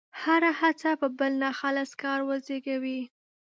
هره هڅه به بل ناخالص کار وزېږوي.